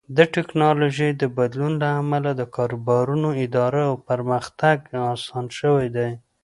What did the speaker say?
د ټکنالوژۍ د بدلون له امله د کاروبارونو اداره او پرمختګ اسان شوی دی.